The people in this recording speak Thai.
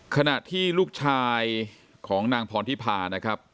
ขณะที่ลูกชายของนางพรทิพานะครับ